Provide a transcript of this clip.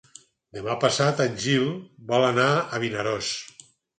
Demà passat en Gil vol anar a Vinaròs.